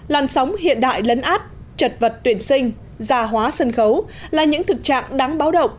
làn sóng hiện đại lấn át chật vật tuyển sinh già hóa sân khấu là những thực trạng đáng báo động